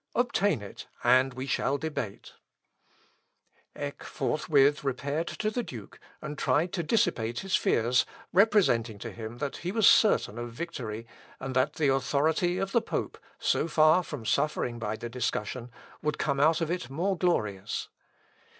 "Obtain it, and we shall debate." [Sidenote: PRELIMINARY ARRANGEMENTS.] Eck forthwith repaired to the duke, and tried to dissipate his fears, representing to him that he was certain of victory, and that the authority of the pope, so far from suffering by the discussion, would come out of it more glorious.